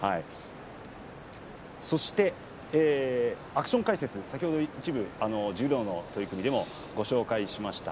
アクション解説先ほど一部十両の取組でもご紹介しました。